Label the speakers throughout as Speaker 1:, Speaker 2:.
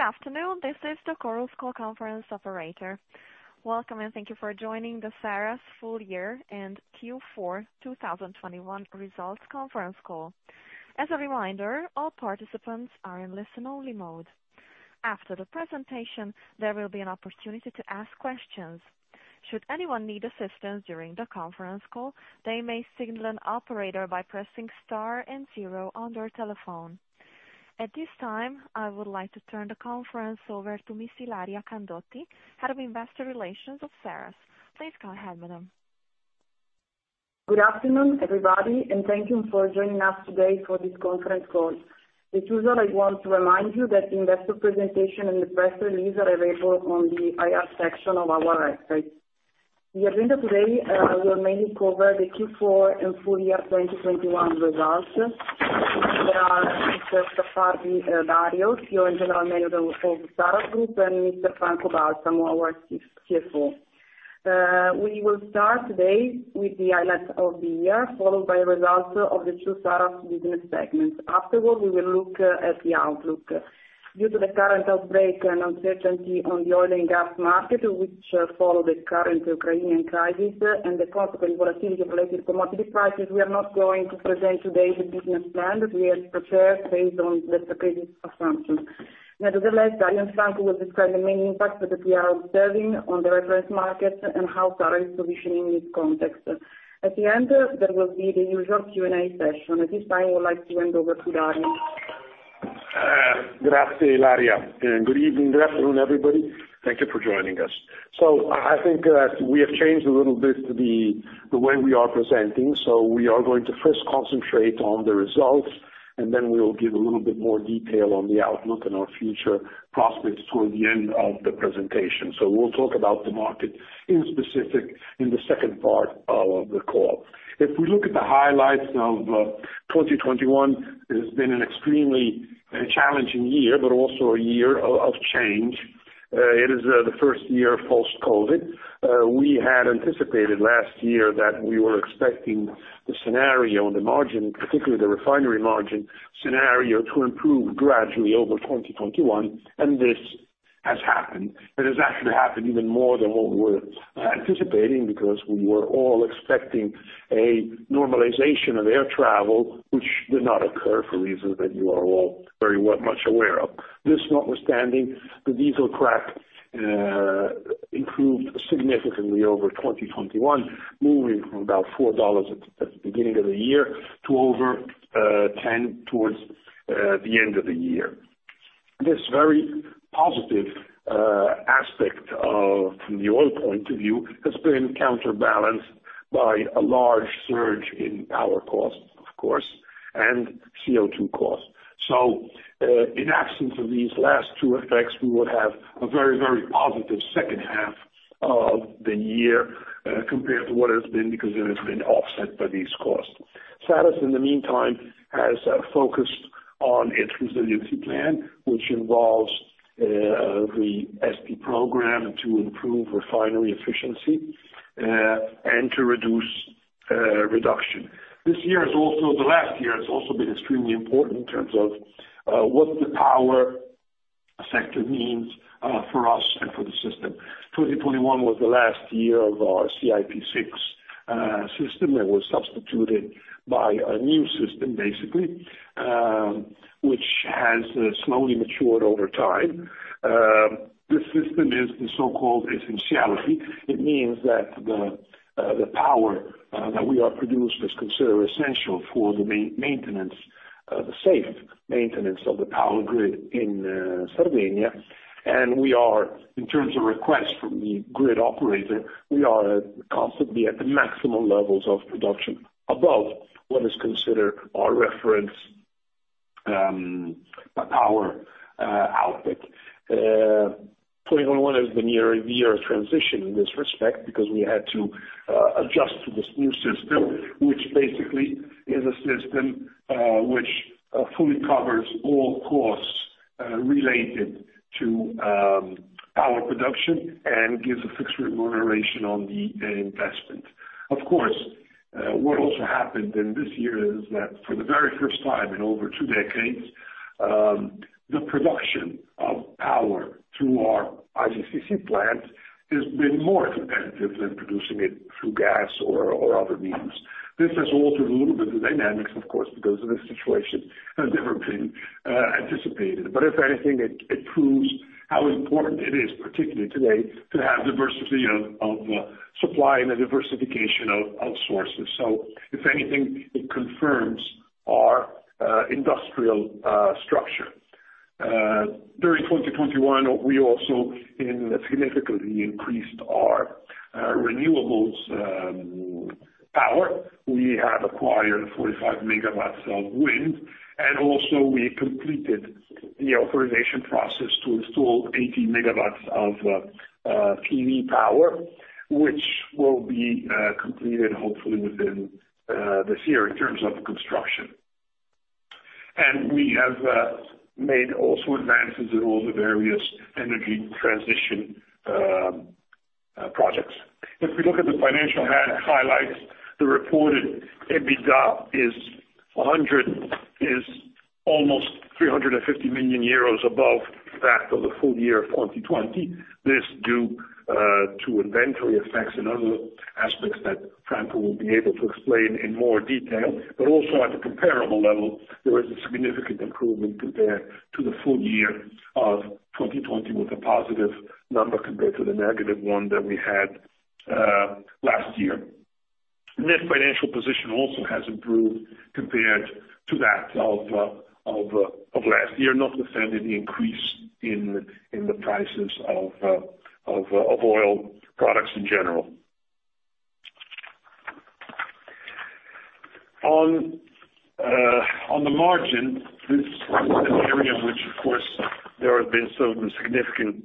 Speaker 1: Good afternoon. This is the Chorus Call Conference Operator. Welcome and thank you for joining the Saras Full Year and Q4 2021 Results Conference Call. As a reminder, all participants are in listen only mode. After the presentation, there will be an opportunity to ask questions. Should anyone need assistance during the conference call, they may signal an operator by pressing star and zero on their telephone. At this time, I would like to turn the conference over to Miss Ilaria Candotti, Head of Investor Relations of Saras. Please go ahead, madam.
Speaker 2: Good afternoon, everybody, and thank you for joining us today for this conference call. As usual, I want to remind you that investor presentation and the press release are available on the IR section of our website. The agenda today will mainly cover the Q4 and full year 2021 results. There are Mr. Dario Scaffardi, CEO and General Manager of Saras Group, and Mr. Franco Balsamo, our CFO. We will start today with the highlights of the year, followed by results of the two Saras business segments. Afterwards, we will look at the outlook. Due to the current outbreak and uncertainty on the oil and gas market, which follow the current Ukrainian crisis and the possible volatility of related commodity prices, we are not going to present today the business plan that we had prepared based on the previous assumptions. Nevertheless, Dario and Franco will describe the main impacts that we are observing on the reference market and how Saras is positioning itself in the context. At the end, there will be the usual Q&A session. At this time, I would like to hand over to Dario.
Speaker 3: Grazie, Ilaria. Good evening, good afternoon, everybody. Thank you for joining us. I think that we have changed a little bit the way we are presenting. We are going to first concentrate on the results, and then we will give a little bit more detail on the outlook and our future prospects toward the end of the presentation. We'll talk about the market in specific in the second part of the call. If we look at the highlights of 2021, it has been an extremely challenging year, but also a year of change. It is the first year post-COVID. We had anticipated last year that we were expecting the scenario and the margin, particularly the refinery margin scenario, to improve gradually over 2021, and this has happened. It has actually happened even more than what we were anticipating, because we were all expecting a normalization of air travel, which did not occur for reasons that you are all very well much aware of. This notwithstanding, the diesel crack improved significantly over 2021, moving from about $4 at the beginning of the year to over $10 towards the end of the year. This very positive aspect from the oil point of view has been counterbalanced by a large surge in power costs, of course, and CO2 costs. In absence of these last two effects, we would have a very, very positive second half of the year compared to what has been, because it has been offset by these costs. Saras, in the meantime, has focused on its resiliency plan, which involves the ESTI program to improve refinery efficiency and to reduce reduction. This year is also the last year has also been extremely important in terms of what the power sector means for us and for the system. 2021 was the last year of our CIP 6 system. It was substituted by a new system, basically, which has slowly matured over time. This system is the so-called essentiality. It means that the power that we produce is considered essential for the maintenance, the safe maintenance of the power grid in Sardinia. We are, in terms of requests from the grid operator, constantly at the maximum levels of production above what is considered our reference power output. 2021 is the new year transition in this respect because we had to adjust to this new system, which basically is a system which fully covers all costs related to power production and gives a fixed remuneration on the investment. Of course, what also happened in this year is that for the very first time in over two decades, the production of power through our IGCC plant has been more competitive than producing it through gas or other means. This has altered a little bit the dynamics, of course, because the situation had never been anticipated. If anything, it proves how important it is, particularly today, to have diversity of supply and a diversification of sources. If anything, it confirms our industrial structure. During 2021, we also significantly increased our renewables power. We have acquired 45 MW of wind, and also we completed the authorization process to install 18 MW of PV power, which will be completed hopefully within this year in terms of construction. We have made also advances in all the various energy transition projects. If we look at the financial highlights, the reported EBITDA is almost 350 million euros above that of the full year of 2020. This due to inventory effects and other aspects that Franco will be able to explain in more detail, but also at the comparable level, there is a significant improvement compared to the full year of 2020, with a positive number compared to the negative one that we had last year. Net financial position also has improved compared to that of last year, notwithstanding the increase in the prices of oil products in general. On the margin, this is an area in which of course there have been some significant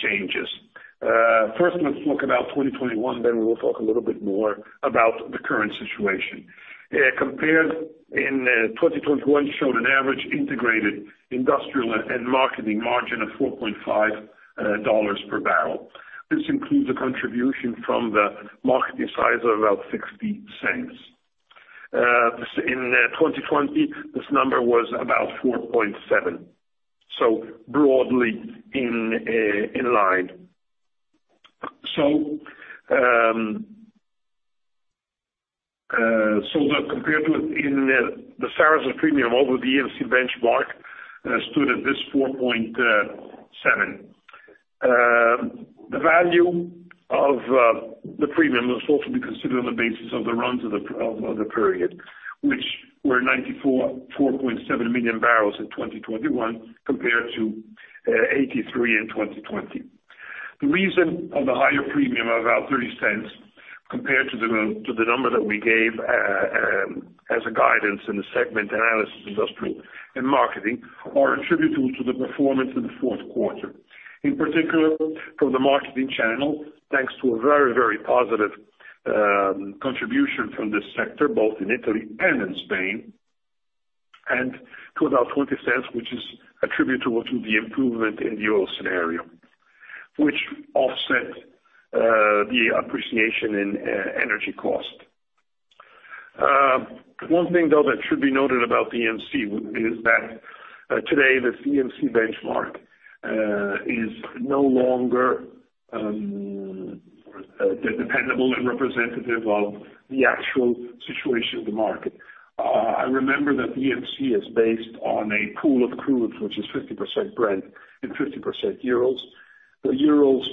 Speaker 3: changes. First let's talk about 2021, then we will talk a little bit more about the current situation. The comparison in 2021 showed an average integrated industrial and marketing margin of $4.5 per barrel. This includes a contribution from the marketing side of about 0.60 cents. In 2020, this number was about $4.7, so broadly in line. The comparison with the Saras premium over EMC benchmark stood at this $4.7. The value of the premium is also to be considered on the basis of the runs of the period, which were 94.7 million barrels in 2021 compared to 83 in 2020. The reason of the higher premium of about $0.30 compared to the number that we gave as a guidance in the segment analysis, industrial and marketing, are attributable to the performance in the fourth quarter. In particular from the marketing channel, thanks to a very, very positive contribution from this sector, both in Italy and in Spain, and to about $0.20, which is attributable to the improvement in the oil scenario, which offset the appreciation in energy cost. One thing though that should be noted about EMC is that today this EMC benchmark is no longer dependable and representative of the actual situation of the market. I remember that EMC is based on a pool of crudes, which is 50% Brent and 50% Urals. The Urals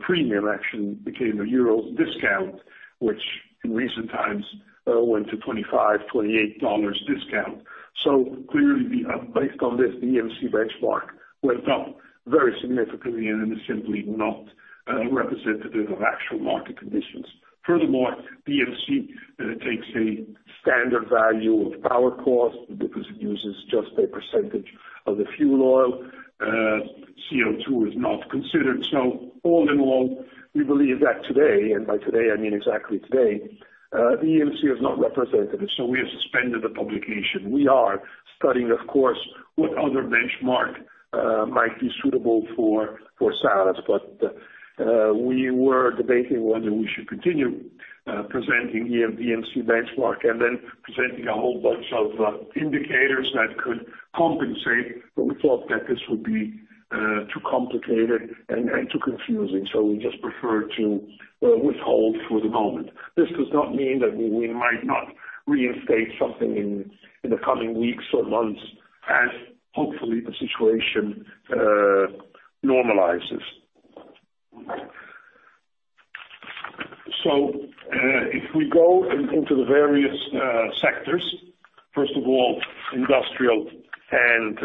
Speaker 3: premium actually became a Urals discount, which in recent times went to $25-$28 discount. So clearly based on this, the EMC benchmark went up very significantly, and it is simply not representative of actual market conditions. Furthermore, EMC takes a standard value of power cost because it uses just a percentage of the fuel oil. CO2 is not considered. All in all, we believe that today, and by today, I mean exactly today, the EMC is not representative, so we have suspended the publication. We are studying, of course, what other benchmark might be suitable for Saras. We were debating whether we should continue presenting the EMC benchmark and then presenting a whole bunch of indicators that could compensate, but we thought that this would be too complicated and too confusing. We just prefer to withhold for the moment. This does not mean that we might not reinstate something in the coming weeks or months as hopefully the situation normalizes. If we go into the various sectors, first of all industrial and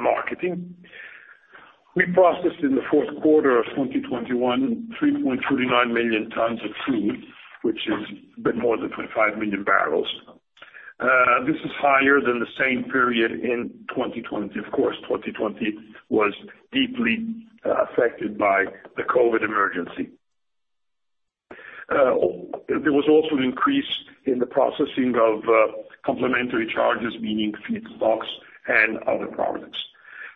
Speaker 3: marketing, we processed in the fourth quarter of 2021, 3.29 million tons of crude, which is a bit more than 25 million barrels. This is higher than the same period in 2020. Of course, 2020 was deeply affected by the COVID emergency. There was also an increase in the processing of complementary charges, meaning feedstocks and other products.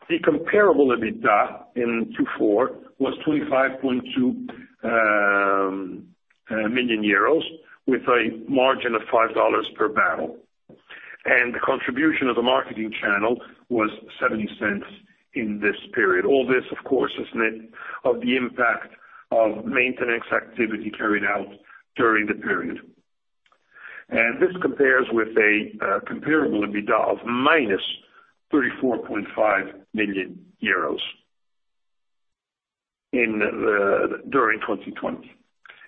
Speaker 3: The comparable EBITDA in Q4 was 25.2 million euros with a margin of $5 per barrel. The contribution of the marketing channel was $0.70 in this period. All this, of course, is net of the impact of maintenance activity carried out during the period. This compares with a comparable EBITDA of -34.5 million euros during 2020,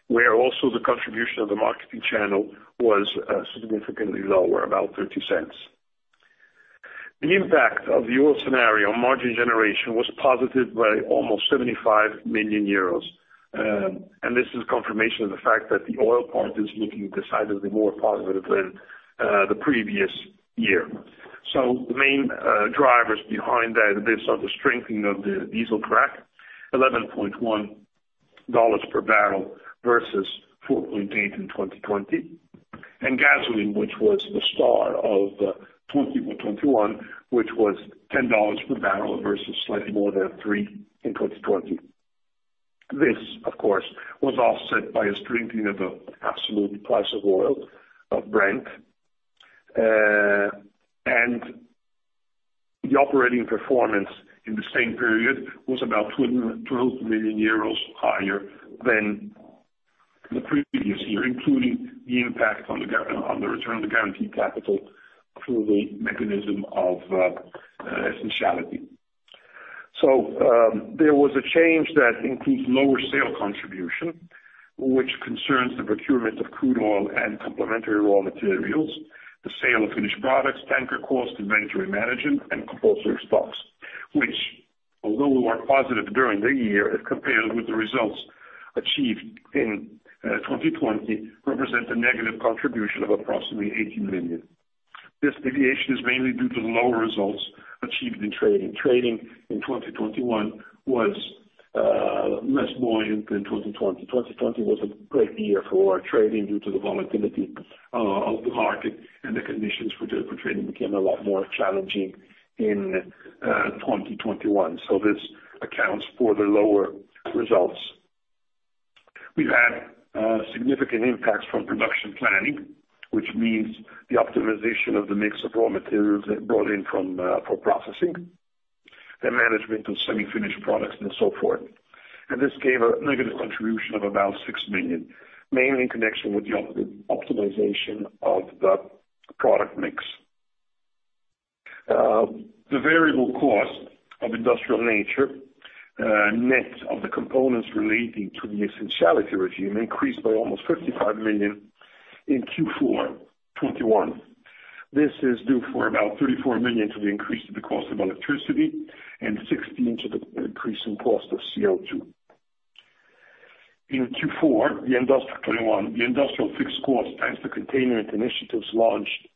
Speaker 3: where also the contribution of the marketing channel was significantly lower, about $0.30. The impact of the oil scenario on margin generation was positive by almost 75 million euros. This is confirmation of the fact that the oil part is looking decidedly more positive than the previous year. The main drivers behind that are based on the strengthening of the diesel crack, $11.1 per barrel versus $4.8 in 2020. Gasoline, which was the star of 2021, which was $10 per barrel versus slightly more than $3 in 2020. This, of course, was offset by a strengthening of the absolute price of oil, of Brent. The operating performance in the same period was about 212 million euros higher than the previous year, including the impact on the return of the guaranteed capital through the mechanism of essentiality. There was a change that includes lower sales contribution, which concerns the procurement of crude oil and complementary raw materials, the sale of finished products, tanker costs and inventory management and compulsory stocks, which although were positive during the year, as compared with the results achieved in 2020, represent a negative contribution of approximately 80 million. This deviation is mainly due to the lower results achieved in trading. Trading in 2021 was less buoyant than 2020. 2020 was a great year for trading due to the volatility of the market, and the conditions for trading became a lot more challenging in 2021. This accounts for the lower results. We've had significant impacts from production planning, which means the optimization of the mix of raw materials brought in for processing and management of semi-finished products and so forth. This gave a negative contribution of about 6 million, mainly in connection with the optimization of the product mix. The variable cost of industrial nature, net of the components relating to the essentiality regime, increased by almost 55 million in Q4 2021. This is due for about 34 million to the increase of the cost of electricity and 16 million to the increase in cost of CO2. In Q4 2021, the industrial fixed cost, thanks to containment initiatives launched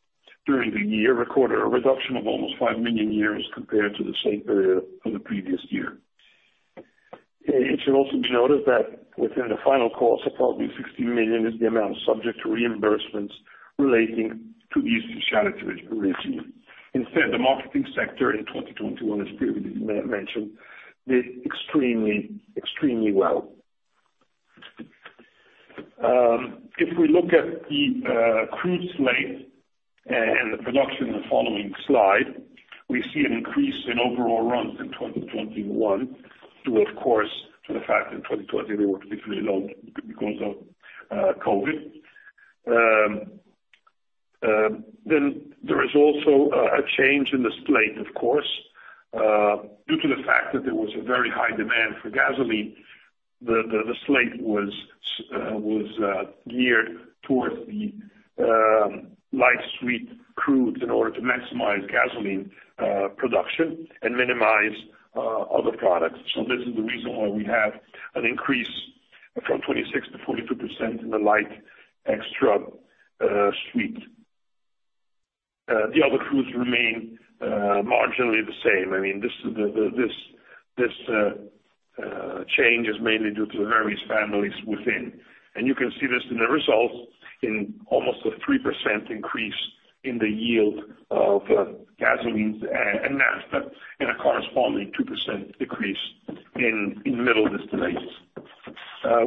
Speaker 3: during the year, recorded a reduction of almost 5 million compared to the same period of the previous year. It should also be noted that within the fixed cost, approximately 16 million is the amount subject to reimbursements relating to the essentiality regime. Instead, the marketing sector in 2021, as previously mentioned, did extremely well. If we look at the crude slate and the production in the following slide, we see an increase in overall runs in 2021 due, of course, to the fact in 2020 they were particularly low because of COVID. Then there is also a change in the slate, of course, due to the fact that there was a very high demand for gasoline. The slate was geared towards the light sweet crudes in order to maximize gasoline production and minimize other products. This is the reason why we have an increase from 26%-42% in the light extra sweet. The other crudes remain marginally the same. I mean, this change is mainly due to the various families within. You can see this in the results in almost a 3% increase in the yield of gasoline and naphtha, and a corresponding 2% decrease in middle distillates.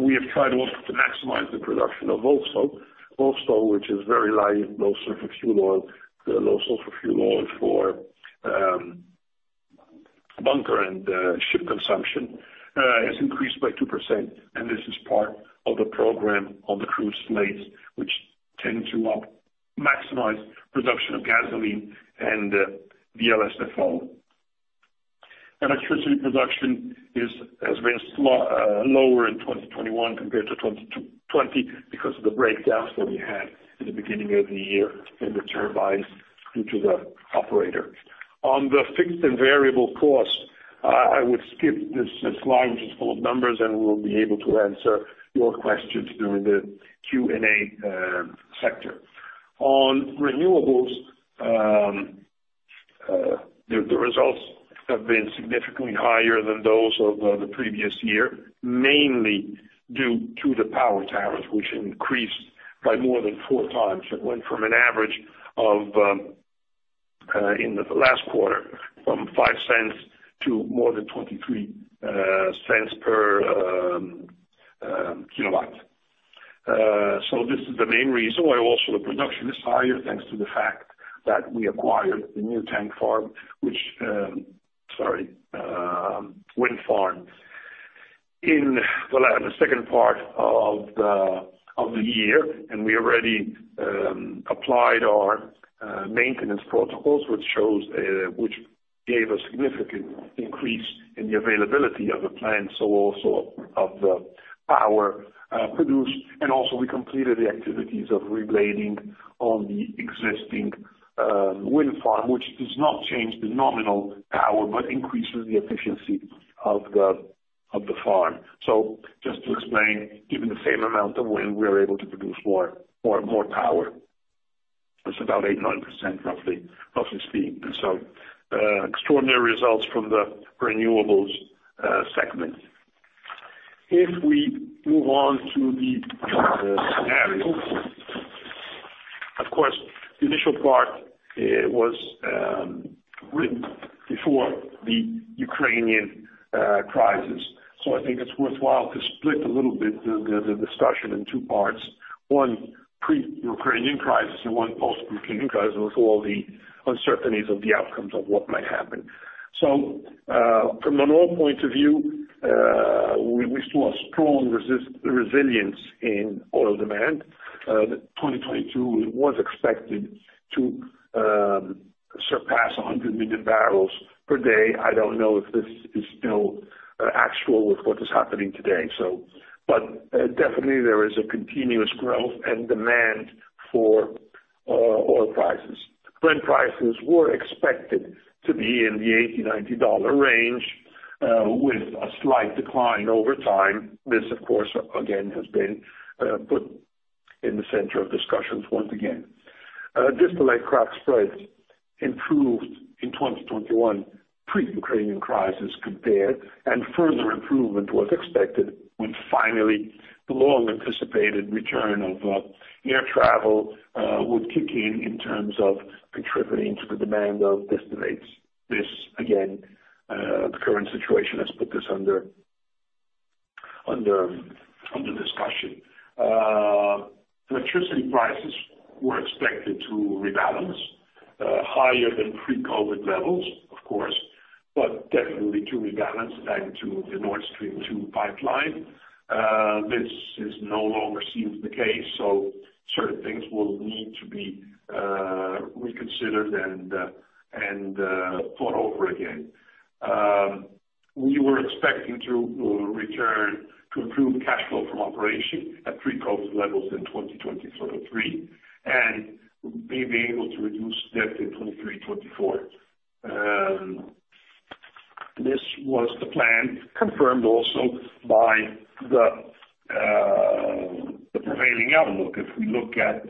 Speaker 3: We have tried also to maximize the production of VLSFO. VLSFO, which is very low sulfur fuel oil, low sulfur fuel oil for bunker and ship consumption, has increased by 2%. This is part of the program on the crude slates, which tend to optimize production of gasoline and VLSFO. Electricity production has been lower in 2021 compared to 2020 because of the breakdowns that we had in the beginning of the year in the turbines due to the operator. On the fixed and variable costs, I would skip this slide, which is full of numbers, and we'll be able to answer your questions during the Q&A session. On renewables, the results have been significantly higher than those of the previous year, mainly due to the power tariff, which increased by more than 4x. It went from an average of in the last quarter from 0.05 to more than 0.23/kWh. This is the main reason why also the production is higher, thanks to the fact that we acquired the new wind farm in the second part of the year, and we already applied our maintenance protocols, which gave a significant increase in the availability of the plant, also of the power produced. We also completed the activities of reblading on the existing wind farm, which does not change the nominal power, but increases the efficiency of the farm. Just to explain, given the same amount of wind, we are able to produce more power. It's about 8%-9% roughly of its peak. Extraordinary results from the renewables segment. If we move on to the scenarios, of course, the initial part was written before the Ukrainian crisis. I think it's worthwhile to split a little bit the discussion in two parts. One pre-Ukrainian crisis and one post-Ukrainian crisis with all the uncertainties of the outcomes of what might happen. From an oil point of view, we saw a strong resilience in oil demand. 2022 was expected to surpass 100 million barrels per day. I don't know if this is still actual with what is happening today. Definitely there is a continuous growth in demand for oil. Prices. Brent prices were expected to be in the $80-$90 range with a slight decline over time. This, of course, again, has been put in the center of discussions once again. Distillate crack spreads improved in 2021 pre-Ukrainian crisis compared, and further improvement was expected with finally the long-anticipated return of air travel would kick in terms of contributing to the demand of distillates. This again, the current situation has put this under discussion. Electricity prices were expected to rebalance higher than pre-COVID levels, of course, but definitely to rebalance thanks to the Nord Stream 2 pipeline. This no longer seems the case, so certain things will need to be reconsidered and thought over again. We were expecting to return to improved cash flow from operation at pre-COVID levels in 2023, and be able to reduce debt in 2023, 2024. This was the plan confirmed also by the prevailing outlook. If we look at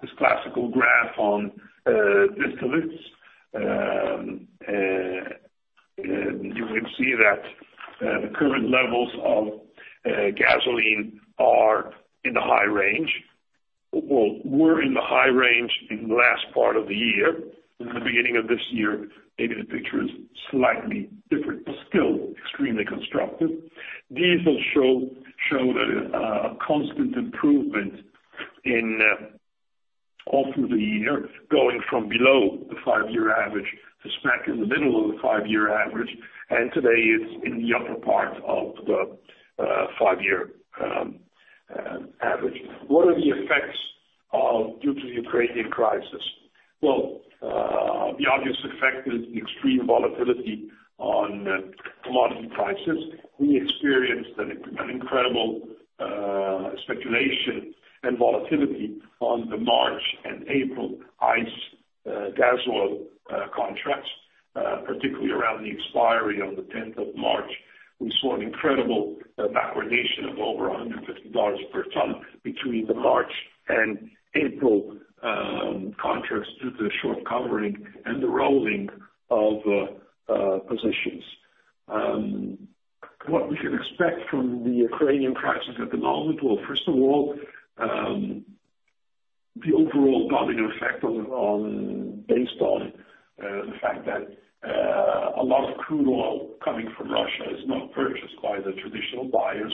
Speaker 3: this classical graph on distillates, you will see that the current levels of gasoline are in the high range. Well, we're in the high range in the last part of the year. In the beginning of this year, maybe the picture is slightly different, but still extremely constructive. Diesel showed a constant improvement in all through the year, going from below the five-year average to smack in the middle of the five-year average. Today it's in the upper part of the five-year average. What are the effects due to the Ukrainian crisis? Well, the obvious effect is the extreme volatility on commodity prices. We experienced an incredible speculation and volatility on the March and April ICE gas oil contracts, particularly around the expiry on the 10th of March. We saw an incredible backwardation of over $150 per ton between the March and April contracts due to the short covering and the rolling of positions. What we can expect from the Ukrainian crisis at the moment? Well, first of all, the overall domino effect based on the fact that a lot of crude oil coming from Russia is not purchased by the traditional buyers.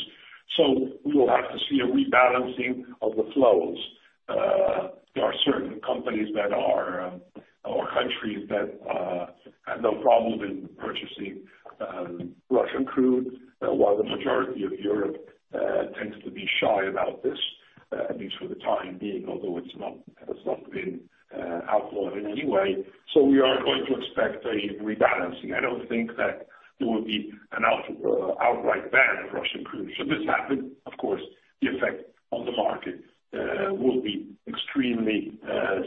Speaker 3: We will have to see a rebalancing of the flows. There are certain companies that are or countries that have no problem in purchasing Russian crude while the majority of Europe tends to be shy about this at least for the time being, although it's not been outlawed in any way. We are going to expect a rebalancing. I don't think that there will be an outright ban of Russian crude. Should this happen, of course, the effect on the market will be extremely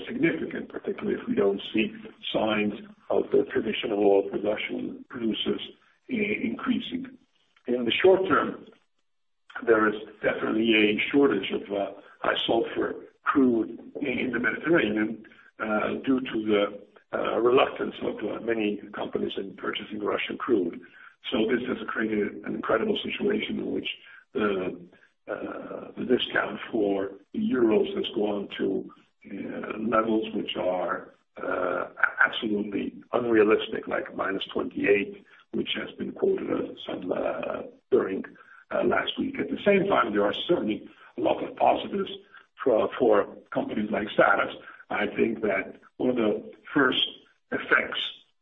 Speaker 3: significant, particularly if we don't see signs of the traditional oil production producers increasing. In the short term, there is definitely a shortage of high sulfur crude in the Mediterranean due to the reluctance of many companies in purchasing Russian crude. This has created an incredible situation in which the discount for Urals has gone to levels which are absolutely unrealistic, like -$28, which has been quoted sometime during last week. At the same time, there are certainly a lot of positives for companies like Saras. I think that one of the first effects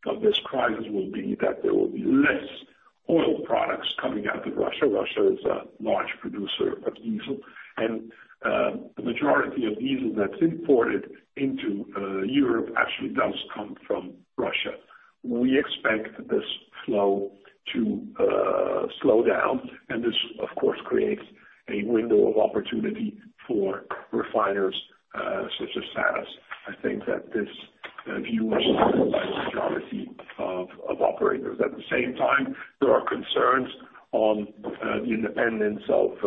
Speaker 3: of this crisis will be that there will be less oil products coming out of Russia. Russia is a large producer of diesel, and the majority of diesel that's imported into Europe actually does come from Russia. We expect this flow to slow down, and this of course creates a window of opportunity for refiners such as Saras. I think that this view is shared by the majority of operators. At the same time, there are concerns on the independence of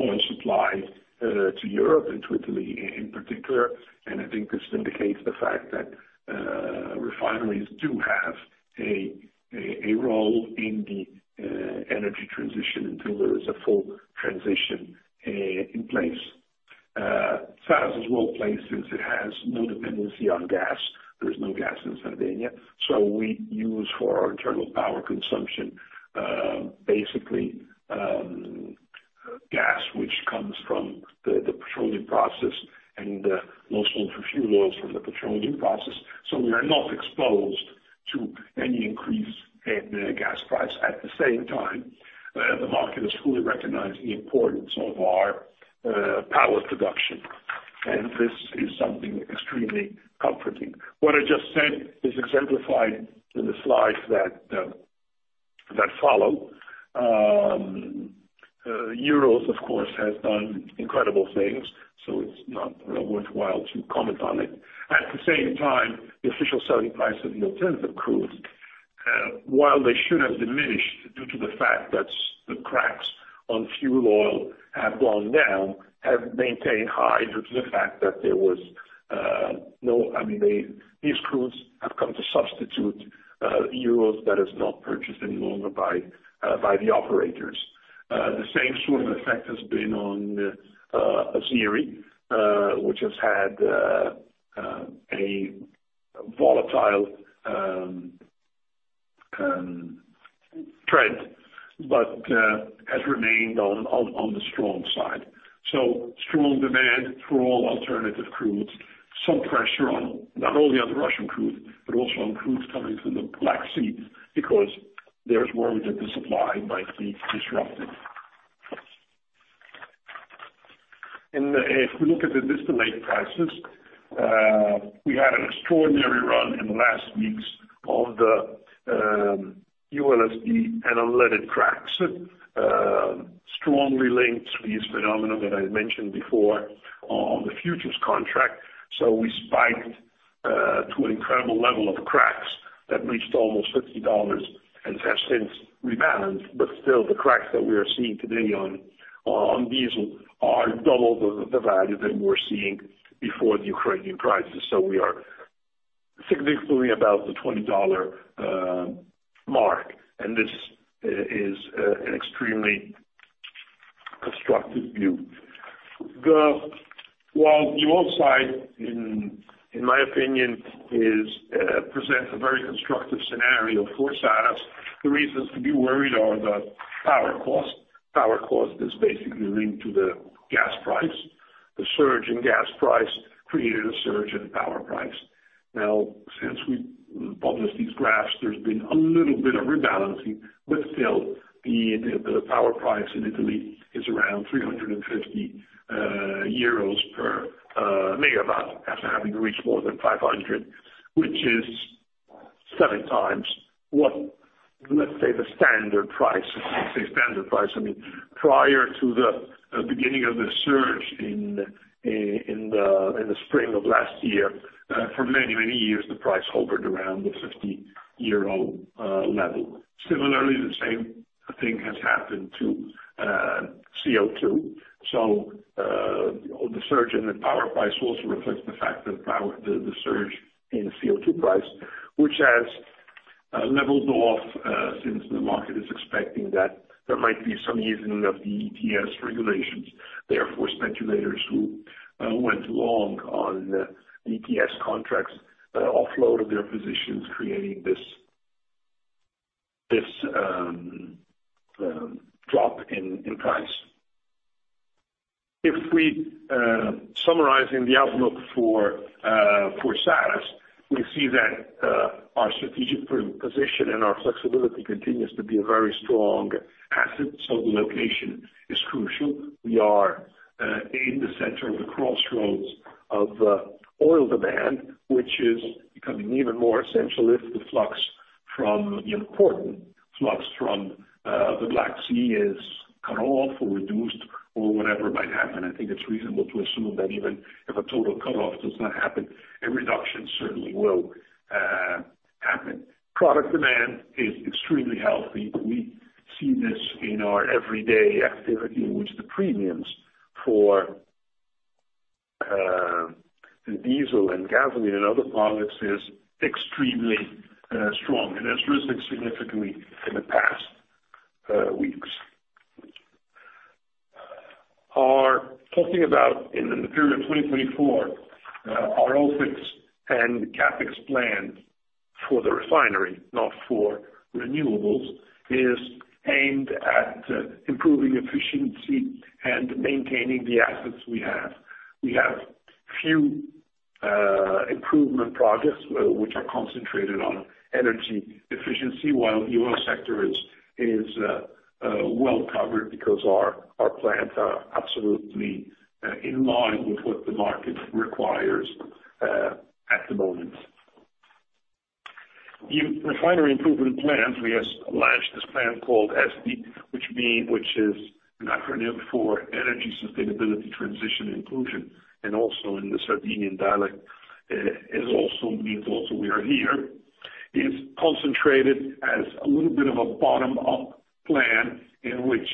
Speaker 3: oil supply to Europe and to Italy in particular. I think this indicates the fact that refineries do have a role in the energy transition until there is a full transition in place. Saras is well-placed since it has no dependency on gas. There is no gas in Sardinia, so we use for our internal power consumption basically gas, which comes from the petroleum process and most of the fuel oils from the petroleum process. We are not exposed to any increase in gas price. At the same time, the market is fully recognizing the importance of our power production, and this is something extremely comforting. What I just said is exemplified in the slides that follow. Urals, of course, has done incredible things, so it's not worthwhile to comment on it. At the same time, the official selling price of the alternative crudes, while they should have diminished due to the fact that the cracks on fuel oil have gone down, have maintained high due to the fact that these crudes have come to substitute Urals that is not purchased any longer by the operators. The same sort of effect has been on Azeri, which has had a volatile trend, but has remained on the strong side. Strong demand for all alternative crudes. Some pressure on not only the Russian crude, but also on crudes coming from the Black Sea because there's worry that the supply might be disrupted. If we look at the distillate prices, we had an extraordinary run in the last weeks on the ULSD and unleaded cracks, strongly linked to this phenomenon that I mentioned before on the futures contract. We spiked to an incredible level of cracks that reached almost $50 and has since rebalanced. Still, the cracks that we are seeing today on diesel are double the value that we were seeing before the Ukrainian crisis. We are significantly above the $20 mark. This is an extremely constructive view. While the oil side, in my opinion, presents a very constructive scenario for Saras, the reasons to be worried are the power cost. Power cost is basically linked to the gas price. The surge in gas price created a surge in power price. Now, since we published these graphs, there's been a little bit of rebalancing, but still the power price in Italy is around 350 euros/MW, after having reached more than 500, which is seven times what, let's say the standard price, I mean, prior to the beginning of the surge in the spring of last year. For many years, the price hovered around the 50 euro level. Similarly, the same thing has happened to CO2. The surge in the power price also reflects the fact that the surge in CO2 price, which has leveled off since the market is expecting that there might be some easing of the ETS regulations. Therefore, speculators who went long on ETS contracts offloaded their positions, creating this drop in price. Summarizing the outlook for Saras, we see that our strategic position and our flexibility continues to be a very strong asset. The location is crucial. We are in the center of the crossroads of oil demand, which is becoming even more essential if the flux from the important flux from the Black Sea is cut off or reduced or whatever might happen. I think it's reasonable to assume that even if a total cut-off does not happen, a reduction certainly will happen. Product demand is extremely healthy. We see this in our everyday activity in which the premiums for diesel and gasoline and other products is extremely strong and has risen significantly in the past weeks. We're talking about in the period of 2024 our OpEx and CapEx plans for the refinery, not for renewables, is aimed at improving efficiency and maintaining the assets we have. We have few improvement projects which are concentrated on energy efficiency while the oil sector is well covered because our plants are absolutely in line with what the market requires at the moment. In refinery improvement plans, we have launched this plan called ESTI, which means... which is an acronym for Energy Sustainability Transition Inclusion, and also in the Sardinian dialect, it also means we are here. It is concentrated as a little bit of a bottom-up plan in which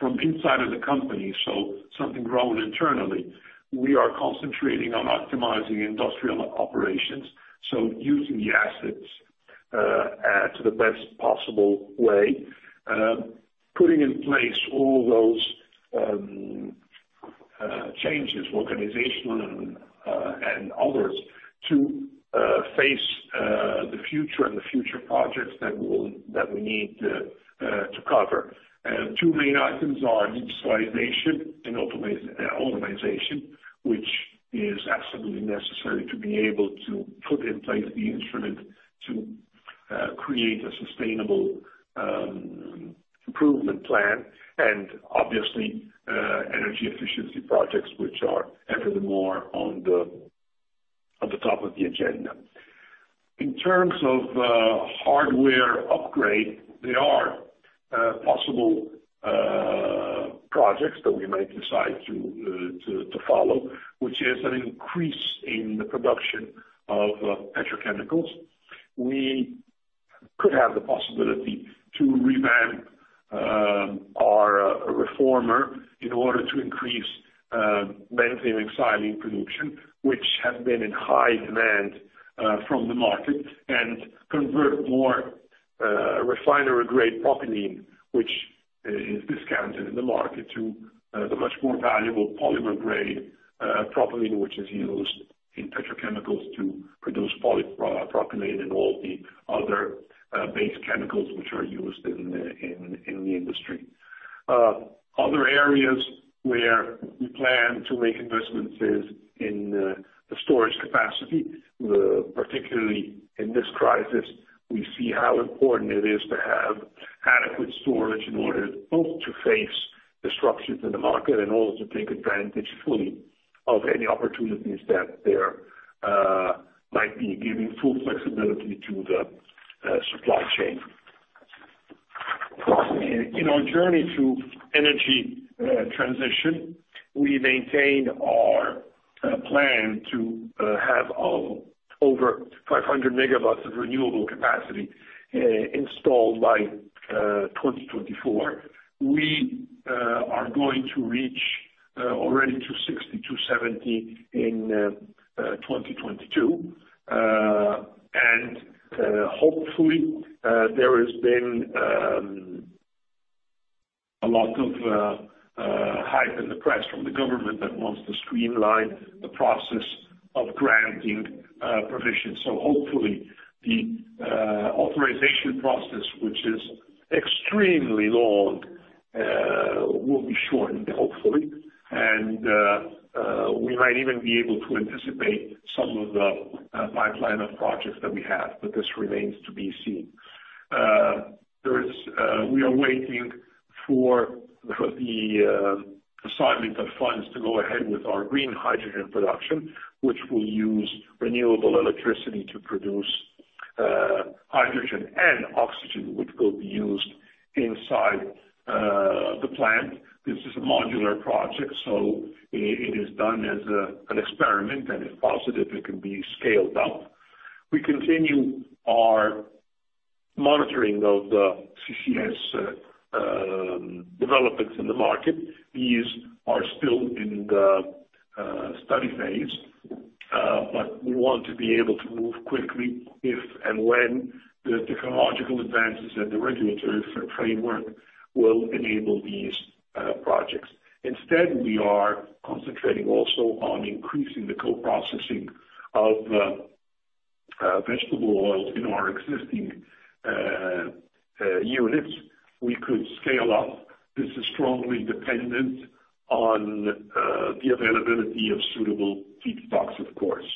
Speaker 3: from inside of the company, so something grown internally. We are concentrating on optimizing industrial operations, so using the assets to the best possible way, putting in place all those changes, organizational and others to face the future and the future projects that we need to cover. Two main items are digitization and automatization, which is absolutely necessary to be able to put in place the instrument to create a sustainable improvement plan, and obviously energy efficiency projects, which are ever the more on the top of the agenda. In terms of hardware upgrade, there are possible projects that we might decide to follow, which is an increase in the production of petrochemicals. We could have the possibility to revamp our reformer in order to increase benzene and xylene production, which have been in high demand from the market, and convert more refinery-grade propylene, which is discounted in the market to the much more valuable polymer grade propylene, which is used in petrochemicals to produce polypropylene and all the other base chemicals which are used in the industry. Other areas where we plan to make investments is in the storage capacity. Particularly in this crisis, we see how important it is to have adequate storage in order both to face disruptions in the market and also take advantage fully of any opportunities that there might be, giving full flexibility to the supply chain. In our journey to energy transition, we maintain our plan to have over 500 MW of renewable capacity installed by 2024. We are going to reach already 60-70 in 2022. Hopefully, there has been a lot of hype in the press from the government that wants to streamline the process of granting provisions. Hopefully, the authorization process, which is extremely long, will be shortened, hopefully. We might even be able to anticipate some of the pipeline of projects that we have, but this remains to be seen. We are waiting for the assignment of funds to go ahead with our green hydrogen production, which will use renewable electricity to produce hydrogen and oxygen, which will be used inside the plant. This is a modular project, so it is done as an experiment, and if positive, it can be scaled up. We continue our monitoring of the CCS developments in the market. These are still in the study phase, but we want to be able to move quickly if and when the technological advances and the regulatory framework will enable these projects. Instead, we are concentrating also on increasing the co-processing of vegetable oils in our existing units. We could scale up. This is strongly dependent on the availability of suitable feedstocks, of course.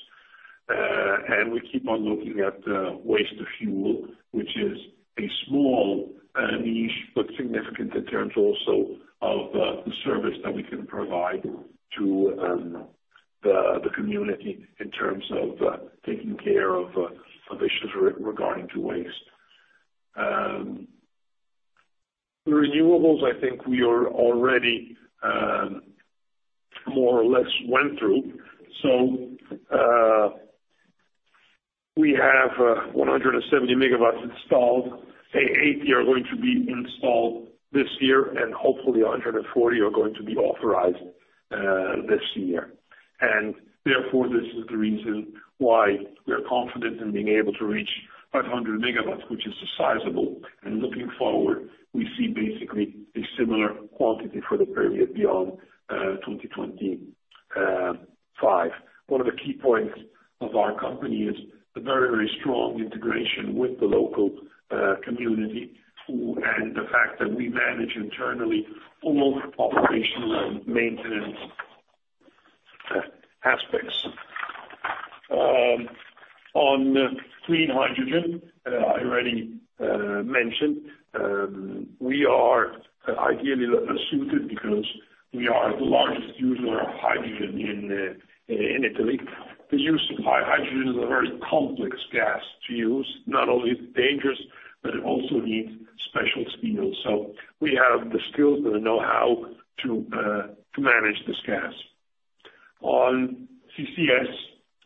Speaker 3: We keep on looking at waste to fuel, which is a small niche, but significant in terms also of the service that we can provide to the community in terms of taking care of issues regarding waste. Renewables, I think we are already more or less went through. We have 170 MW installed. Eighty are going to be installed this year, and hopefully 140 MW are going to be authorized this year. Therefore, this is the reason why we're confident in being able to reach 500 MW, which is sizable. Looking forward, we see basically a similar quantity for the period beyond 2025. One of the key points of our company is the very, very strong integration with the local community and the fact that we manage internally all operational and maintenance aspects. On clean hydrogen, I already mentioned, we are ideally suited because we are the largest user of hydrogen in Italy. The use of hydrogen is a very complex gas to use. Not only is it dangerous. It also needs special skills. We have the skills and the know-how to manage this gas. On CCS,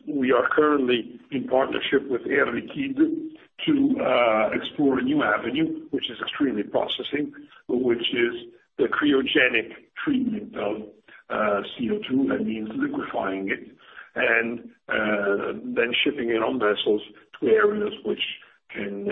Speaker 3: we are currently in partnership with Air Liquide to explore a new avenue, which is extremely processing, which is the cryogenic treatment of CO2. That means liquefying it and then shipping it on vessels to areas which can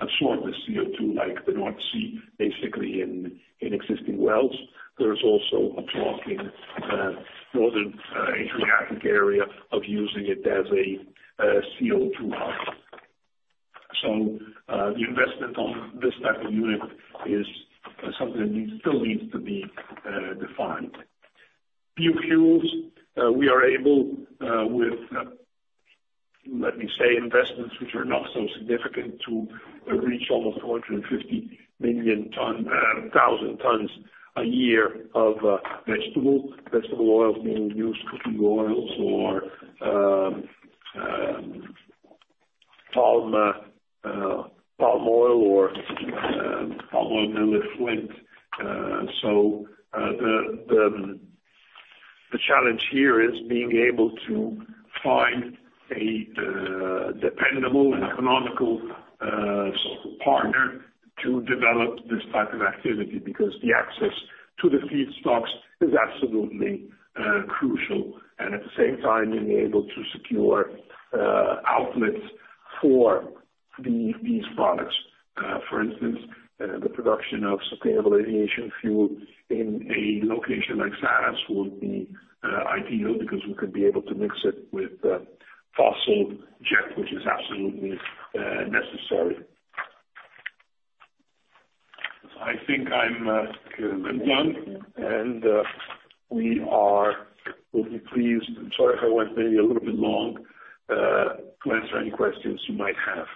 Speaker 3: absorb the CO2, like the North Sea, basically in existing wells. There's also a talk in Northern Adriatic area of using it as a CO2 hub. The investment on this type of unit is something that still needs to be defined. Biofuels, we are able with, let me say, investments which are not so significant, to reach almost 450,000 tons a year of vegetable oils, being used cooking oils or palm oil or palm oil mill effluent. The challenge here is being able to find a dependable, economical partner to develop this type of activity because the access to the feedstocks is absolutely crucial, at the same time being able to secure outlets for these products. For instance, the production of sustainable aviation fuel in a location like Saras would be ideal because we could be able to mix it with fossil jet, which is absolutely necessary. I think I'm done. We would be pleased, sorry if I went maybe a little bit long, to answer any questions you might have.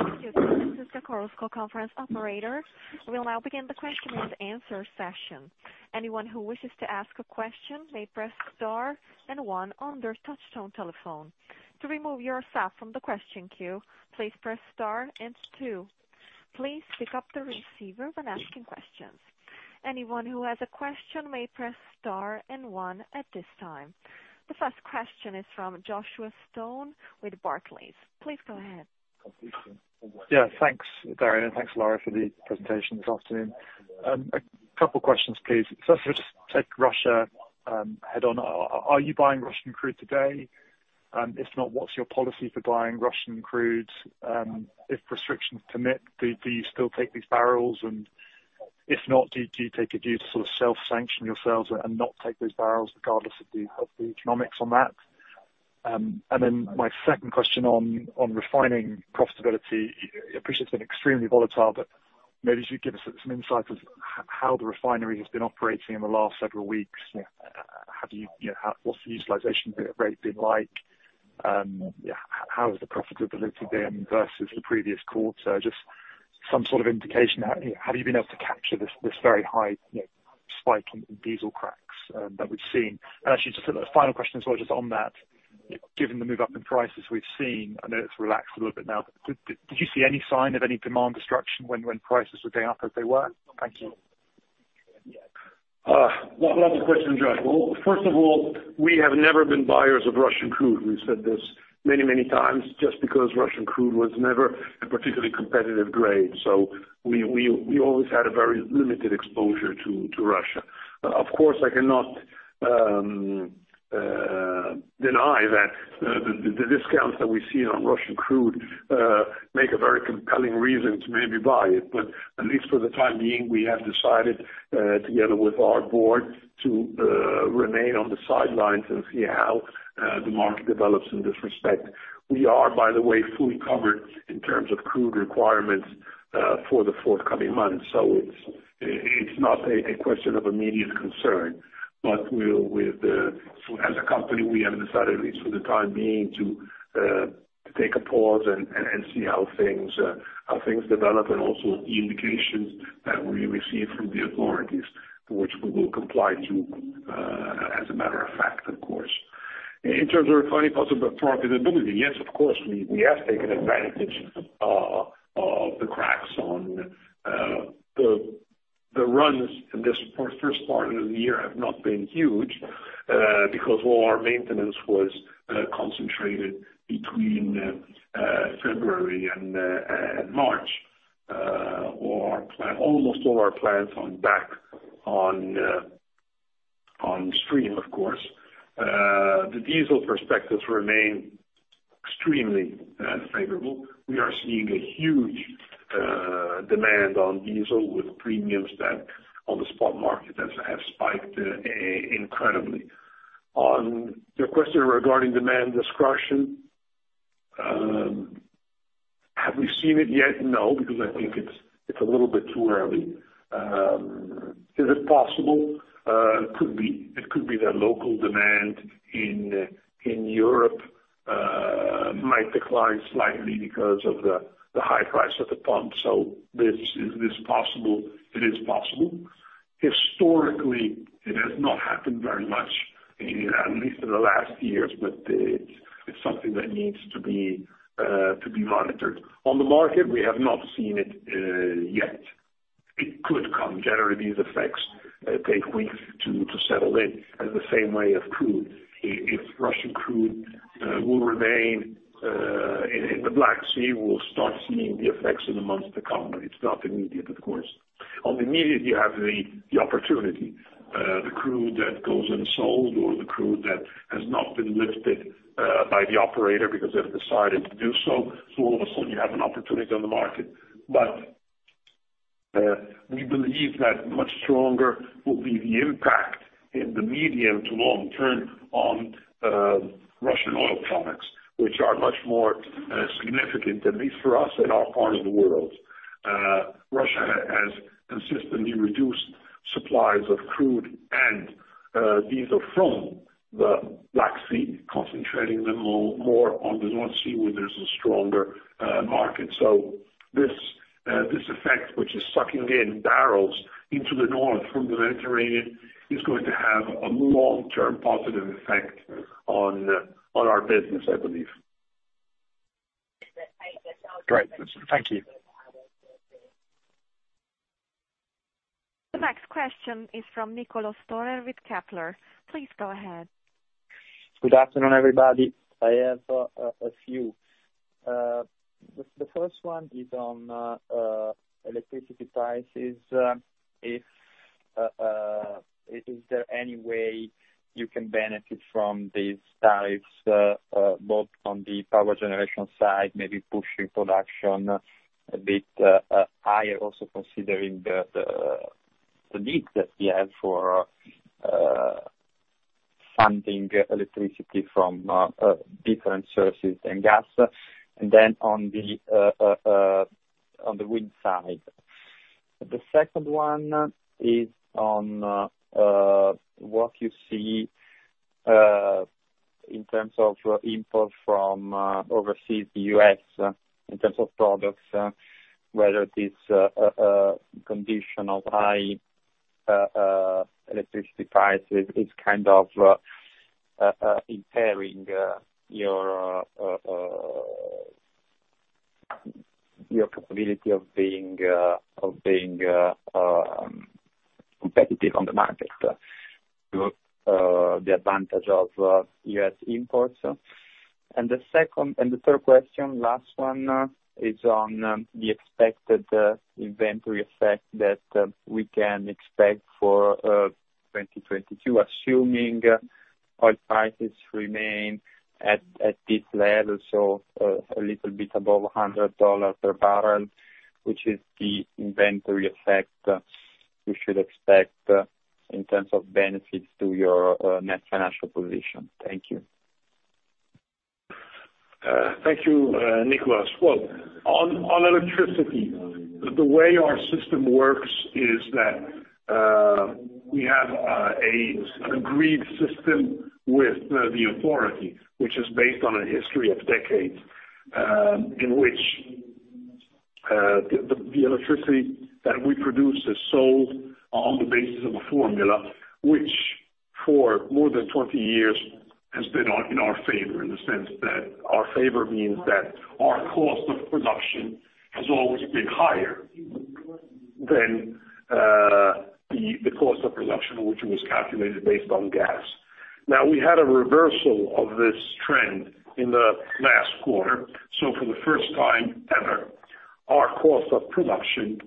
Speaker 1: Thank you. This is the Chorus Call conference operator. We'll now begin the question and answer session. Anyone who wishes to ask a question may press star then one on their touchtone telephone. To remove yourself from the question queue, please press star and two. Please pick up the receiver when asking questions. Anyone who has a question may press star and one at this time. The first question is from Joshua Stone with Barclays. Please go ahead.
Speaker 4: Yeah, thanks, Dario. Thanks, Ilaria, for the presentation this afternoon. A couple questions, please. First, we'll just take Russia head on. Are you buying Russian crude today? If not, what's your policy for buying Russian crude? If restrictions permit, do you still take these barrels? And if not, do you take a view to sort of self-sanction yourselves and not take those barrels regardless of the economics on that? And then my second question on refining profitability. I appreciate it's been extremely volatile, but maybe just give us some insight as to how the refinery has been operating in the last several weeks. How do you know, what's the utilization rate been like? How's the profitability been versus the previous quarter? Just some sort of indication. Have you been able to capture this very high, you know, spike in diesel cracks that we've seen? Actually, just a final question as well, just on that, given the move up in prices we've seen. I know it's relaxed a little bit now. Did you see any sign of any demand destruction when prices were going up as they were? Thank you.
Speaker 3: Lot of questions, Josh. Well, first of all, we have never been buyers of Russian crude. We've said this many times, just because Russian crude was never a particularly competitive grade. We always had a very limited exposure to Russia. Of course, I cannot deny that the discounts that we see on Russian crude make a very compelling reason to maybe buy it. At least for the time being, we have decided together with our board to remain on the sidelines and see how the market develops in this respect. We are, by the way, fully covered in terms of crude requirements for the forthcoming months. It's not a question of immediate concern, but as a company, we have decided at least for the time being to take a pause and see how things develop and also the indications that we receive from the authorities, to which we will comply to, as a matter of fact, of course. In terms of refining possible profitability, yes, of course, we have taken advantage of the cracks on the runs in this first part of the year have not been huge because all our maintenance was concentrated between February and March. Almost all our plants are back on stream, of course. The diesel perspectives remain extremely favorable. We are seeing a huge demand on diesel with premiums that on the spot market have spiked incredibly. On your question regarding demand destruction, have we seen it yet? No, because I think it's a little bit too early. Is it possible? It could be. It could be that local demand in Europe might decline slightly because of the high price at the pump. This is possible. It is possible. Historically, it has not happened very much, at least in the last years, but it's something that needs to be monitored. On the market, we have not seen it yet. It could come. Generally, these effects take weeks to settle in in the same way as crude. If Russian crude will remain in the Black Sea, we'll start seeing the effects in the months to come, but it's not immediate, of course. On immediate, you have the opportunity. The crude that goes unsold or the crude that has not been lifted by the operator because they've decided to do so. All of a sudden you have an opportunity on the market. We believe that much stronger will be the impact in the medium to long term on Russian oil products, which are much more significant, at least for us in our part of the world. Russia has consistently reduced supplies of crude and diesel from the Black Sea, concentrating them more on the North Sea, where there's a stronger market. This effect, which is sucking in barrels into the north from the Mediterranean, is going to have a long-term positive effect on our business, I believe.
Speaker 4: Great. Thank you.
Speaker 1: The next question is from Nicolò Storer with Kepler. Please go ahead.
Speaker 5: Good afternoon, everybody. I have a few. The first one is on electricity prices. Is there any way you can benefit from these tariffs both on the power generation side, maybe pushing production a bit higher also considering the need that we have for finding electricity from different sources than gas. On the wind side. The second one is on what you see in terms of imports from overseas, the U.S., in terms of products, whether it is a condition of high electricity prices is kind of impairing your capability of being competitive on the market. The advantage of U.S. imports. The second and the third question, last one, is on the expected inventory effect that we can expect for 2022, assuming oil prices remain at this level, so a little bit above $100 per barrel, which is the inventory effect we should expect in terms of benefits to your net financial position. Thank you.
Speaker 3: Thank you, Niccolò. Well, on electricity, the way our system works is that we have an agreed system with the authority, which is based on a history of decades, in which the electricity that we produce is sold on the basis of a formula, which for more than 20 years has been in our favor, in the sense that our favor means that our cost of production has always been higher than the cost of production, which was calculated based on gas. Now, we had a reversal of this trend in the last quarter. For the first time ever, our cost of production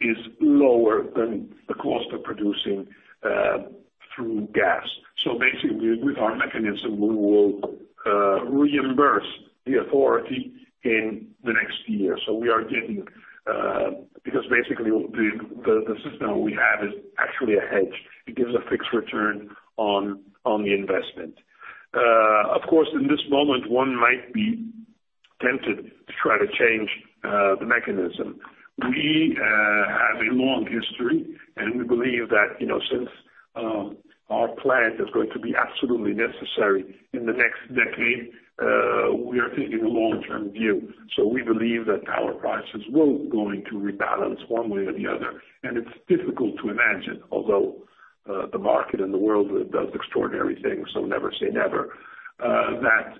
Speaker 3: is lower than the cost of producing through gas. Basically, with our mechanism, we will reimburse the authority in the next year. We are getting, because basically the system we have is actually a hedge. It gives a fixed return on the investment. Of course, in this moment, one might be tempted to try to change the mechanism. We have a long history, and we believe that, you know, since our plant is going to be absolutely necessary in the next decade, we are taking a long-term view. We believe that power prices will going to rebalance one way or the other. It's difficult to imagine, although the market and the world does extraordinary things, so never say never, that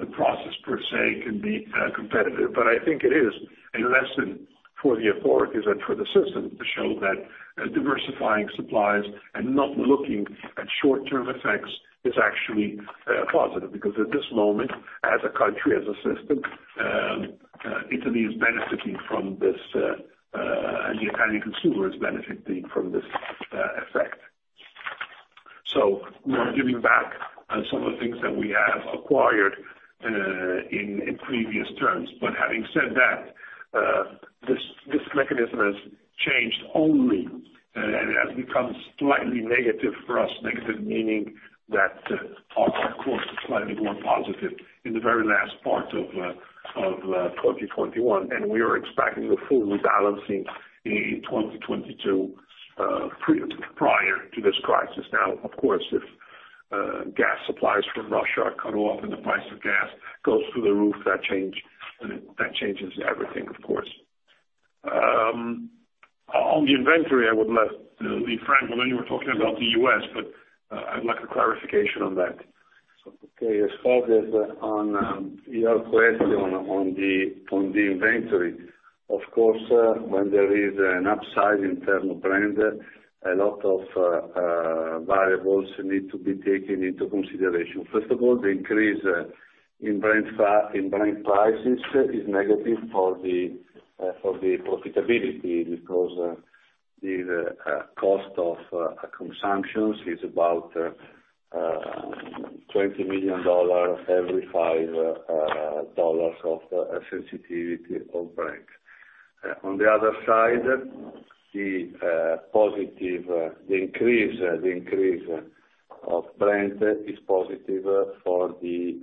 Speaker 3: the process per se can be competitive. I think it is a lesson for the authorities and for the system to show that diversifying supplies and not looking at short-term effects is actually positive. Because at this moment, as a country, as a system, Italy is benefiting from this, and the Italian consumer is benefiting from this effect. We are giving back on some of the things that we have acquired in previous terms. Having said that, this mechanism has changed only, and it has become slightly negative for us, negative meaning that our cost is slightly more positive in the very last part of 2021. We are expecting a full rebalancing in 2022, prior to this crisis. Now, of course, if gas supplies from Russia are cut off and the price of gas goes through the roof, that changes everything, of course. On the inventory, I would let Franco Balsamo. I know you were talking about the U.S., but I'd like a clarification on that.
Speaker 6: Okay. As far as your question on the inventory, of course, when there is an upside in terms of Brent, a lot of variables need to be taken into consideration. First of all, the increase in Brent prices is negative for the profitability, because the cost of consumptions is about $20 million every $5 of sensitivity of Brent. On the other side, the increase of Brent is positive for the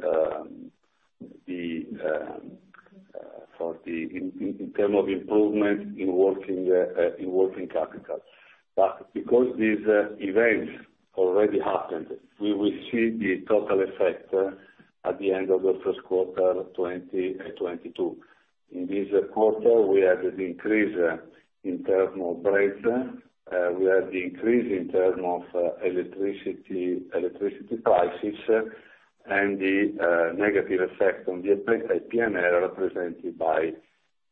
Speaker 6: in terms of improvement in working capital. Because these events already happened, we will see the total effect at the end of the first quarter 2022. In this quarter, we had an increase in terms of Brent. We had the increase in term of electricity prices, and the negative effect on the EPMR represented by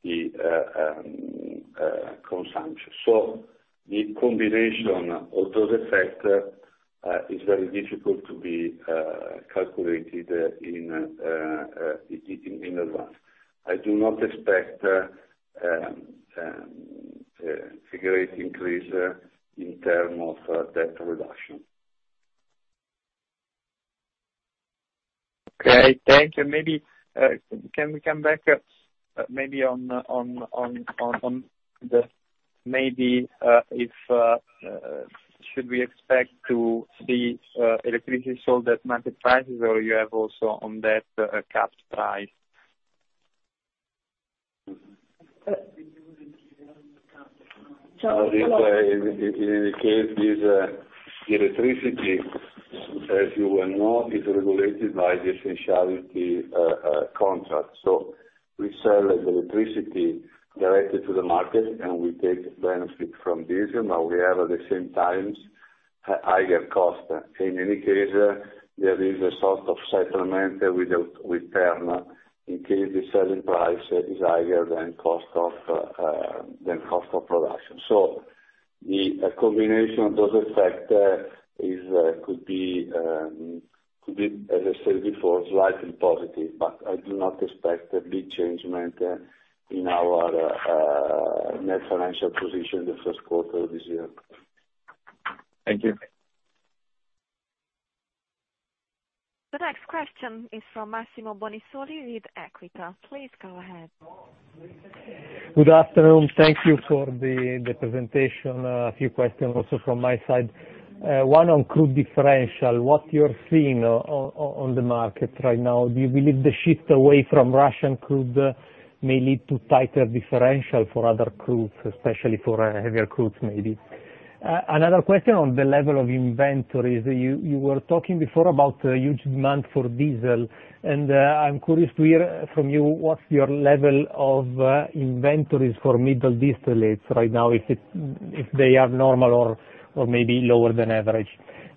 Speaker 6: the consumption. The combination of those effect is very difficult to be calculated in advance. I do not expect significant increase in term of debt reduction.
Speaker 5: Okay, thank you. Maybe can we come back maybe on the, maybe if should we expect to see electricity sold at market prices, or you have also on that a capped price?
Speaker 6: Mm-hmm.
Speaker 3: Uh-
Speaker 6: In any case, this electricity, as you well know, is regulated by the essentiality contract. We sell electricity directly to the market, and we take benefit from diesel; now we have at the same time higher costs. In any case, there is a sort of settlement with Terna in case the selling price is higher than cost of production. The combination of those effects could be, as I said before, slightly positive, but I do not expect a big change in our net financial position in the first quarter of this year.
Speaker 5: Thank you.
Speaker 1: The next question is from Massimo Bonisoli with Equita. Please go ahead.
Speaker 7: Good afternoon. Thank you for the presentation. A few questions also from my side. One on crude differential. What you're seeing on the market right now, do you believe the shift away from Russian crude may lead to tighter differential for other crudes, especially for heavier crudes, maybe? Another question on the level of inventories. You were talking before about huge demand for diesel, and I'm curious to hear from you what's your level of inventories for middle distillates right now, if they are normal or maybe lower than average.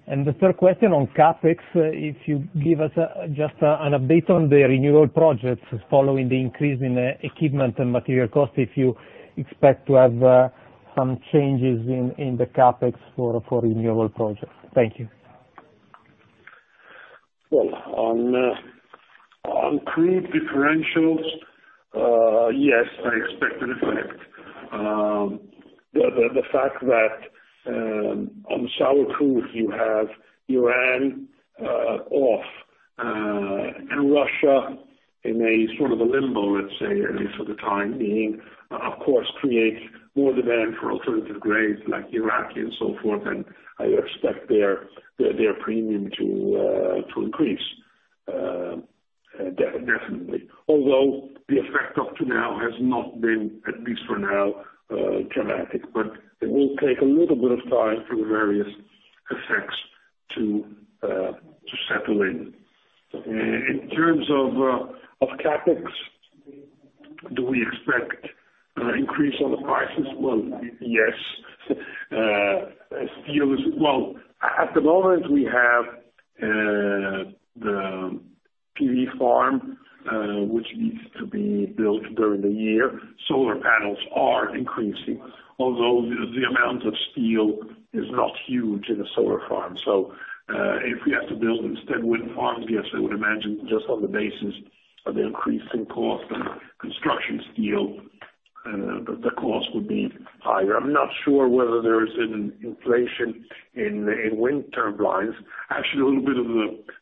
Speaker 7: The third question on CapEx, if you give us just an update on the renewal projects following the increase in equipment and material costs, if you expect to have some changes in the CapEx for renewable projects. Thank you.
Speaker 3: Well, on crude differentials, yes, I expect an effect. The fact that on sour crude you have Iran off, and Russia in a sort of a limbo, let's say, at least for the time being, of course, creates more demand for alternative grades like Iraqi and so forth, and I expect their premium to increase definitely. Although the effect up to now has not been, at least for now, dramatic, but it will take a little bit of time for various effects to settle in. In terms of CapEx, do we expect an increase on the prices? Well, yes. Well, at the moment we have the PV farm, which needs to be built during the year. Solar panels are increasing, although the amount of steel is not huge in a solar farm. If we have to build instead wind farms, yes, we would imagine just on the basis of the increase in cost of construction steel, the cost would be higher. I'm not sure whether there is an inflation in wind turbines. Actually, a little bit of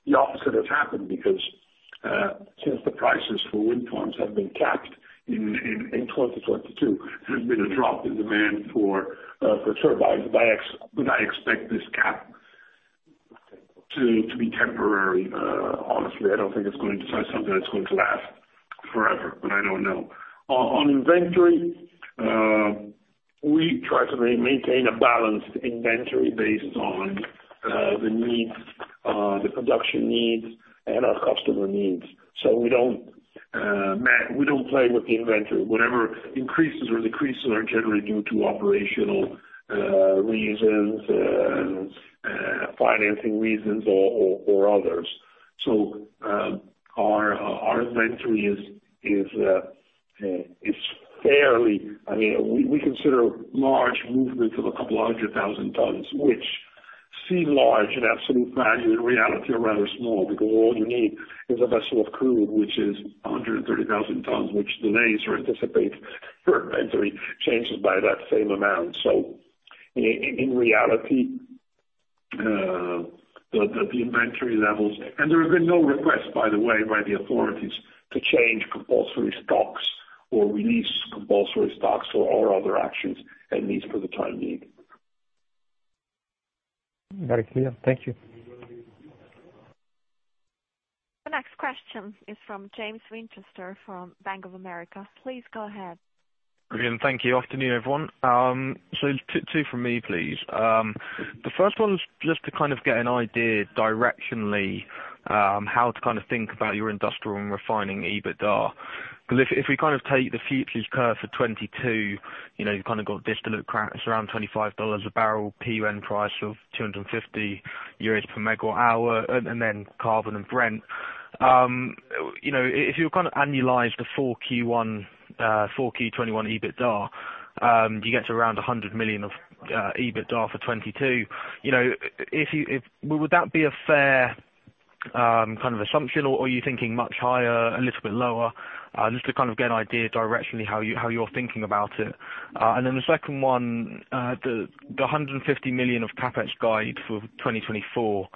Speaker 3: the opposite has happened because, since the prices for wind farms have been capped in 2022, there's been a drop in demand for turbines. I expect this cap to be temporary. Honestly, I don't think it's going to be something that's going to last forever, but I don't know. On inventory, we try to maintain a balanced inventory based on the needs, the production needs and our customer needs. We don't play with the inventory. Whatever increases or decreases are generally due to operational reasons and financing reasons or others. Our inventory is fairly. I mean, we consider large movements of 200,000 tons, which seem large in absolute value, in reality are rather small, because all you need is a vessel of crude, which is 130,000 tons, which delays or anticipate your inventory changes by that same amount. In reality, the inventory levels. There have been no requests, by the way, by the authorities to change compulsory stocks or release compulsory stocks or other actions, at least for the time being.
Speaker 7: Very clear. Thank you.
Speaker 1: The next question is from James Winchester from Bank of America. Please go ahead.
Speaker 8: Brilliant. Thank you. Afternoon, everyone. So two from me, please. The first one is just to kind of get an idea directionally, how to kind of think about your industrial and refining EBITDA. 'Cause if we kind of take the futures curve for 2022, you know, you've kind of got distillate cracks around $25 a barrel, PUN price of 250 euros/MWh, and then carbon and Brent. You know, if you kind of annualize the full Q1, full Q2 2021 EBITDA, you get to around 100 million of EBITDA for 2022. You know, if you would that be a fair kind of assumption, or are you thinking much higher, a little bit lower? Just to kind of get an idea directionally how you, how you're thinking about it. The second one, the 150 million CapEx guide for 2024,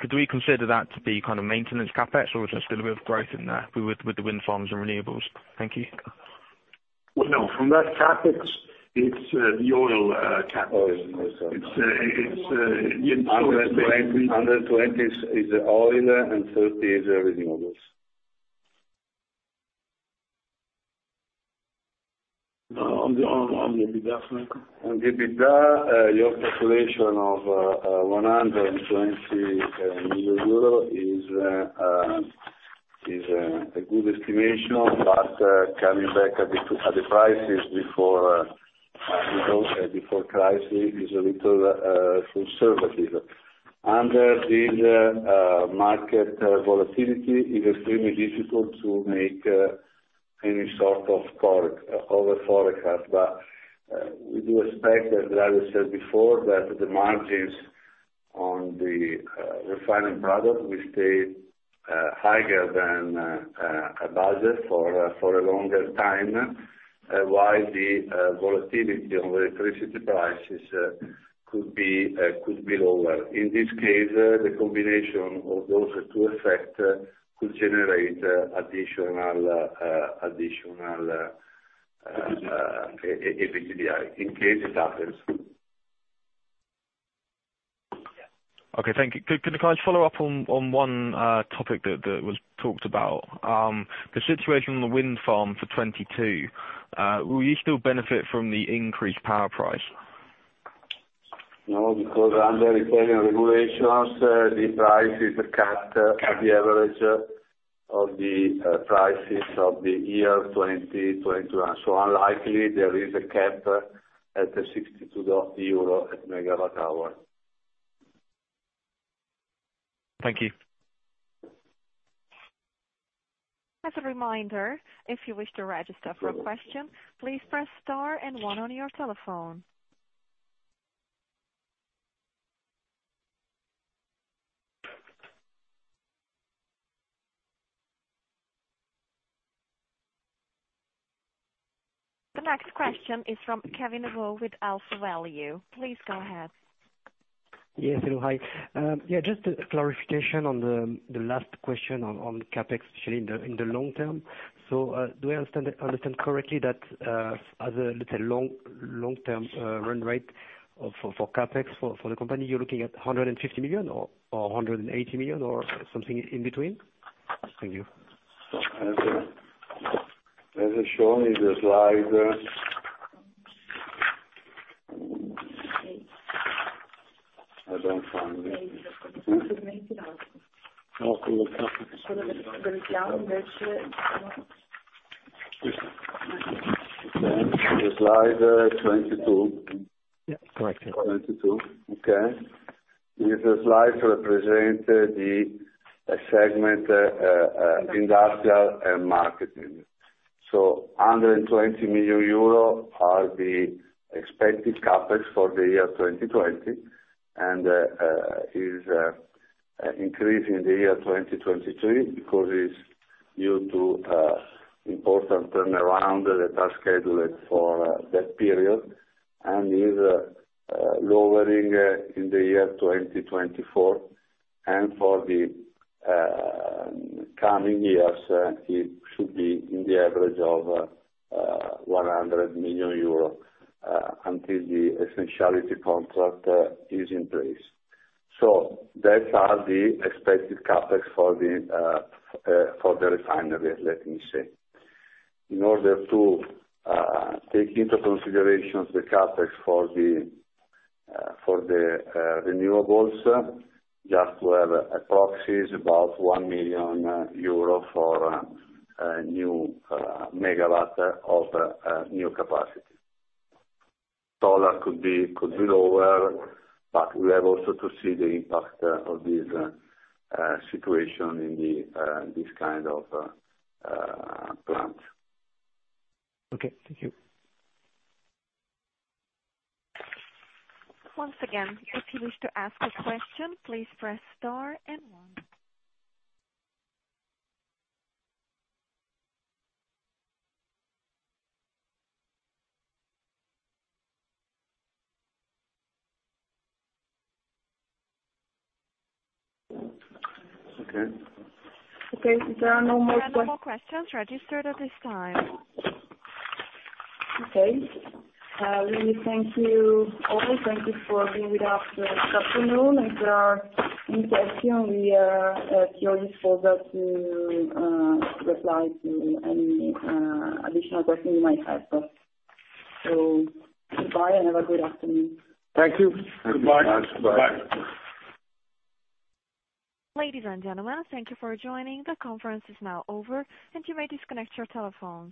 Speaker 8: could we consider that to be kind of maintenance CapEx or is there still a bit of growth in there with the wind farms and renewables? Thank you.
Speaker 3: Well, no, from that CapEx, it's the oil CapEx.
Speaker 6: 120 is the oil and 30 is renewables.
Speaker 3: On the EBITDA.
Speaker 6: On the EBITDA, your calculation of EUR 100 million is a good estimation, but coming back at the prices before crisis is a little conservative. Under this market volatility, it is extremely difficult to make any sort of forecast. We do expect, as Dario said before, that the margins on the refining product will stay higher than a budget for a longer time, while the volatility on the electricity prices could be lower. In this case, the combination of those two effect could generate additional EBITDA, in case it happens.
Speaker 8: Okay. Thank you. Could I just follow up on one topic that was talked about? The situation on the wind farm for 2022, will you still benefit from the increased power price?
Speaker 6: No, because under Italian regulations, the price is capped at the average of the prices of the year 2021. Unlikely there is a cap at the 62 EUR/MWh.
Speaker 8: Thank you.
Speaker 1: As a reminder, if you wish to register for a question, please press star and one on your telephone. The next question is from Kevin Vo with AlphaValue. Please go ahead.
Speaker 9: Yes. Hello. Hi. Yeah, just a clarification on the last question on CapEx in the long term. Do I understand correctly that in the long-term run rate for CapEx for the company, you're looking at 150 million or 180 million or something in between? Thank you.
Speaker 6: As I show in the slide, I don't find it. The slide 22.
Speaker 9: Yeah. Correct. Yeah.
Speaker 6: 22. Okay. This slide represent the segment Industrial and Marketing. 120 million euro are the expected CapEx for the year 2020, and is increasing in the year 2023 because it's due to important turnaround that are scheduled for that period and is lowering in the year 2024. For the coming years it should be in the average of 100 million euro until the essentiality contract is in place. That are the expected CapEx for the refinery, let me say. In order to take into consideration the CapEx for the renewables, just to have a proxy is about 1 million euro for a new megawatt of new capacity. Solar could be lower, but we have also to see the impact of this situation in this kind of plant.
Speaker 9: Okay. Thank you.
Speaker 1: Once again, if you wish to ask a question, please press star and one.
Speaker 3: Okay.
Speaker 2: Okay. There are no more que-
Speaker 1: There are no more questions registered at this time.
Speaker 2: Okay. Let me thank you all. Thank you for being with us this afternoon. If there are any question, we are at your disposal to reply to any additional question you might have. Goodbye and have a good afternoon.
Speaker 3: Thank you. Goodbye.
Speaker 6: Bye.
Speaker 1: Ladies and gentlemen, thank you for joining. The conference is now over, and you may disconnect your telephones.